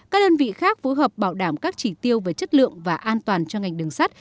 các đơn vị khác phối hợp bảo đảm các chỉ tiêu về chất lượng và an toàn cho ngành đường sắt